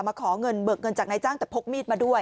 ขอเงินเบิกเงินจากนายจ้างแต่พกมีดมาด้วย